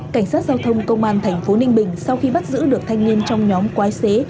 cảnh sát giao thông công an tp ninh bình sau khi bắt giữ được thanh niên trong nhóm quái xế